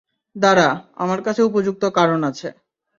দাঁড়া, আমার কাছে উপযুক্ত কারণ আছে।